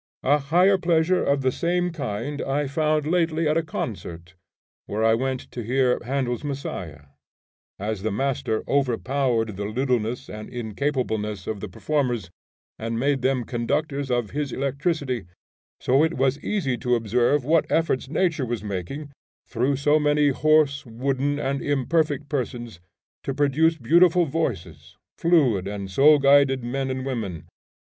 A higher pleasure of the same kind I found lately at a concert, where I went to hear Handel's Messiah. As the master overpowered the littleness and incapableness of the performers and made them conductors of his electricity, so it was easy to observe what efforts nature was making, through so many hoarse, wooden, and imperfect persons, to produce beautiful voices, fluid and soul guided men and women.